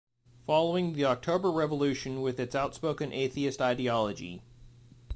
Following the October Revolution with its outspoken atheist ideology.